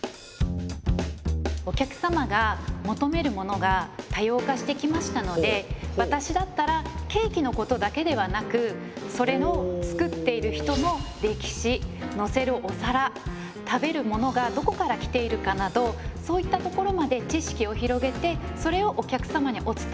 お客様が求めるものが多様化してきましたので私だったらケーキのことだけではなくそれを作っている人の歴史乗せるお皿食べるものがどこから来ているかなどそういったところまで知識を広げてそれをお客様にお伝えする。